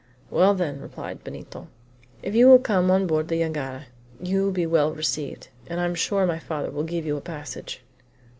"Well, then," replied Benito, "if you will come on board the jangada you will be well received, and I am sure my father will give you a passage."